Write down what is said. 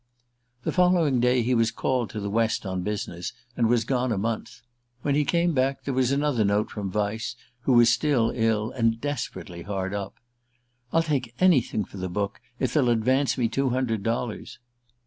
The following day he was called to the West on business, and was gone a month. When he came back, there was another note from Vyse, who was still ill, and desperately hard up. "I'll take anything for the book, if they'll advance me two hundred dollars."